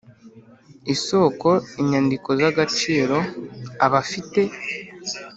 isoko inyandiko zagaciro aba afite